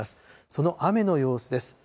その雨の様子です。